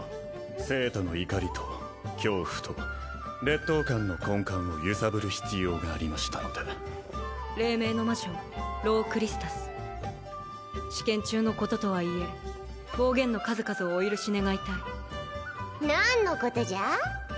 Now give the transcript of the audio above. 生徒の怒りと恐怖と劣等感の根幹を揺さぶる必要がありましたので黎明の魔女ロー・クリスタス試験中のこととはいえ暴言の数々をお許し願いたい何のことじゃ？